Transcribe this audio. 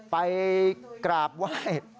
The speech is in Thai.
ไปกราบไหว้